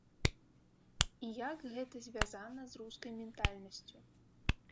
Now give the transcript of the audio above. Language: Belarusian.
І як гэта звязана з рускай ментальнасцю.